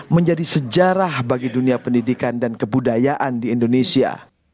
menjadi sejarah bagi dunia pendidikan dan kebudayaan di indonesia